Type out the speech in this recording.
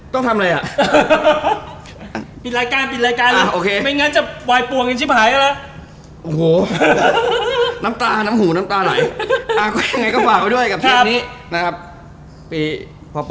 ต้องทำรายบินรายการเป็นรายการโอเคไม่งั้นจะไหวปวงกันชิบหายแล้ว